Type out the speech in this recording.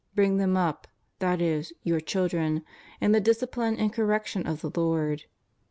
. bring them up (that is, your children) in the discipline and correction of the Lord?